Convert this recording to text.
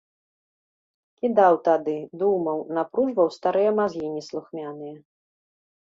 Кідаў тады, думаў, напружваў старыя мазгі неслухмяныя.